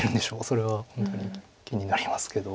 それは本当に気になりますけど。